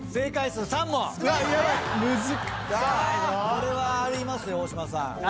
これはありますよ大島さん。